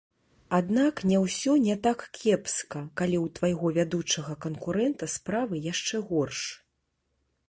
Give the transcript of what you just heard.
Аднак не ўсё не так кепска, калі ў твайго вядучага канкурэнта справы яшчэ горш.